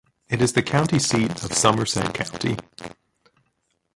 It is the county seat of Somerset County.